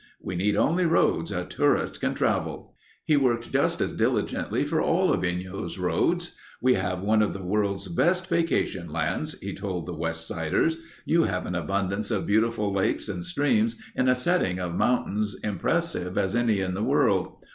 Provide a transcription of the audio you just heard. "We need only roads a tourist can travel." He worked just as diligently for all of Inyo's roads. "We have one of the world's best vacation lands," he told the west siders. "You have an abundance of beautiful lakes and streams in a setting of mountains impressive as any in the world.